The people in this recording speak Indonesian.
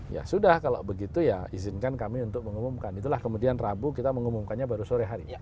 ya sudah kalau begitu ya izinkan kami untuk mengumumkan itulah kemudian rabu kita mengumumkannya baru sore hari